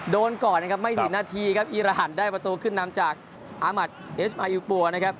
โดนก่อนไม่ถึงหน้าทีอีหลานได้ประตูขึ้นนำจากอาหมาตย์เอชมายุปัว